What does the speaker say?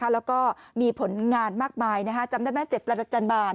แล้วก็มีผลงานมากมายจำได้ไหม๗ประจันบาล